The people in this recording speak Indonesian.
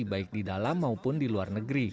baik di dalam maupun di luar negeri